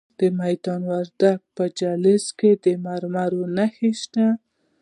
د میدان وردګو په جلریز کې د مرمرو نښې شته.